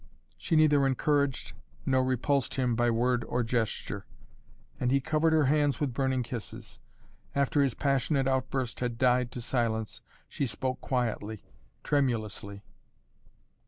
She neither encouraged nor repulsed him by word or gesture. And he covered her hands with burning kisses. After his passionate outburst had died to silence she spoke quietly, tremulously.